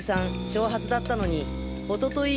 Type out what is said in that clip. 長髪だったのにおととい